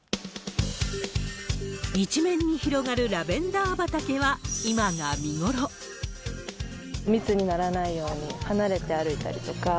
一面に広がるラベンダー畑は、密にならないように、離れて歩いたりとか。